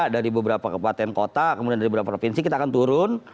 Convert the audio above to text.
dari beberapa kepaten kota kemudian dari beberapa provinsi kita akan turun